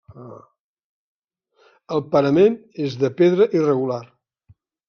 El parament és de pedra irregular.